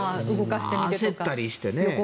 焦ったりしてね。